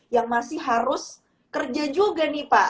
yang masih harus kerja juga nih pak